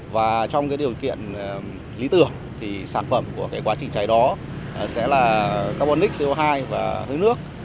và trong điều kiện lý tưởng thì sản phẩm của quá trình cháy đó sẽ là carbonic co hai và hơi nước